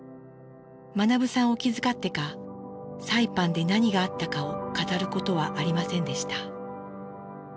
学さんを気遣ってかサイパンで何があったかを語ることはありませんでした。